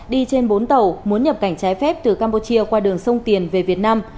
đi trên bốn tàu muốn nhập cảnh trái phép từ campuchia qua đường sông tiền về việt nam